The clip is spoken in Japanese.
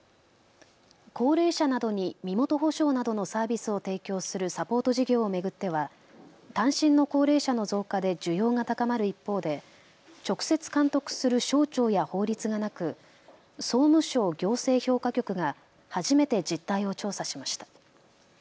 高齢者などに身元保証などのサービスを提供するサポート事業を巡っては単身の高齢者の増加で需要が高まる一方で直接監督する省庁や法律がなく総務省行政評価局が初めて実態を調査しました。